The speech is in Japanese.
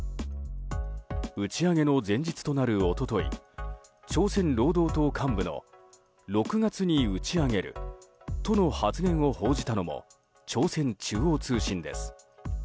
打ち上げの前日となる一昨日朝鮮労働党幹部の６月に打ち上げるとの発言を報じたのも朝鮮中央通信です。